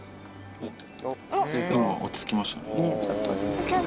今、落ち着きましたね。